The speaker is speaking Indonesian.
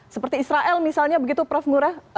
seperti israel misalnya begitu prof ngurah